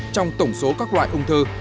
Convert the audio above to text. trong tổng số các loại ông thư